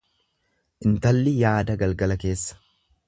Intalli yaada galgala keessa.